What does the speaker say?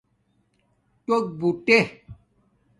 ٹݸک بوٹے